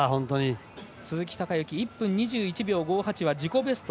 鈴木孝幸、１分２１秒５８は自己ベスト。